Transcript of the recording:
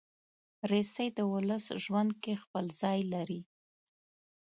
رسۍ د ولس ژوند کې خپل ځای لري.